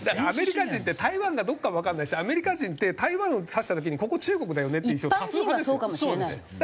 アメリカ人って台湾がどこかもわからないしアメリカ人って台湾指した時にここ中国だよね？っていう人多数派ですよ。